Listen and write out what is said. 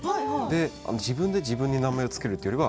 自分で自分に名前を付けるというのは。